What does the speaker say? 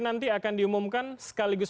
nanti akan diumumkan sekaligus